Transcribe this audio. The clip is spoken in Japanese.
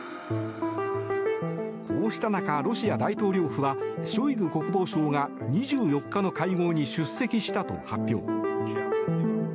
こうした中、ロシア大統領府はショイグ国防相が２４日の会合に出席したと発表。